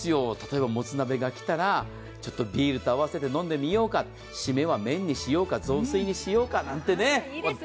例えばもつ鍋がきたら、ビールと合わせて飲んでみようかシメは麺にしようか、雑炊にしようかなんてね。